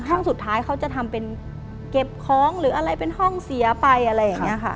ห้องสุดท้ายเขาจะทำเป็นเก็บของหรืออะไรเป็นห้องเสียไปอะไรอย่างนี้ค่ะ